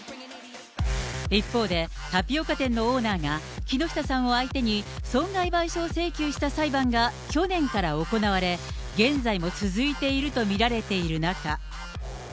一方で、タピオカ店のオーナーが木下さんを相手に損害賠償請求した裁判が去年から行われ、現在も続いていると見られている中。